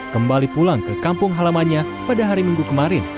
kembali pulang ke kampung halamannya pada hari minggu kemarin